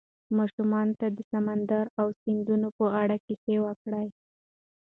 ماشومانو ته د سمندر او سیندونو په اړه کیسې وکړئ.